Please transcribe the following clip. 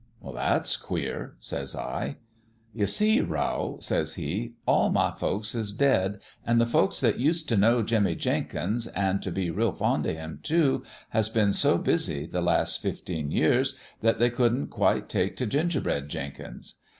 "' That's queer,' says I. "' You see, Rowl,' says he, ' all my folks is dead, an' the folks that used t' know Jimmie Jenkins, an' t' be real fond of him, too, has been so busy, the last fifteen years, that they couldn't quite take t' Gingerbread Jenkins.